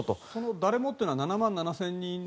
誰もというのは７万７０００人。